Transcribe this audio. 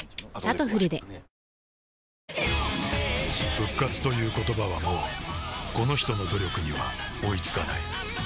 「復活」という言葉はもうこの人の努力には追いつかない